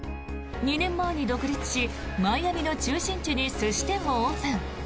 ２年前に独立しマイアミの中心地に寿司店をオープン。